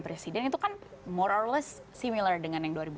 presiden itu kan more or less similar dengan yang dua ribu empat belas gitu